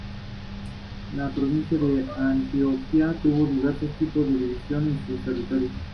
Hoy en día se ha extendido muy notablemente su renombre.